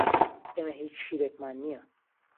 ئێمە هیچ شیرێکمان نییە.